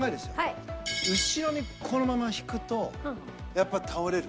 後ろにこのまま引くとやっぱり倒れる。